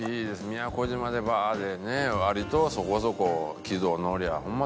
宮古島でバーでね割とそこそこ軌道に乗りゃホンマ